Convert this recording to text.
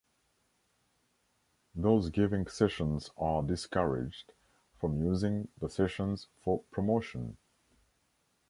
Those giving sessions are discouraged from using the sessions for promotion.